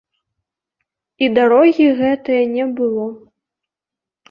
І дарогі гэтае не было.